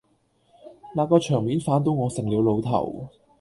那個場面反倒我成了老頭